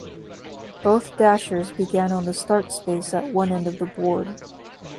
Both Dashers began on the Start space at one end of the board.